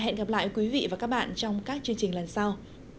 hẹn gặp lại quý vị và các bạn trong các chương trình lần sau